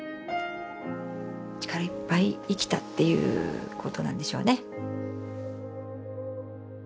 力いっぱい生きたっていうことなんでしょうね。